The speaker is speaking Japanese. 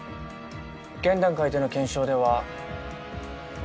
現段階での検証では。